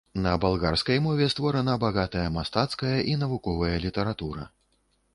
На балгарскай мове створана багатая мастацкая і навуковая літаратура.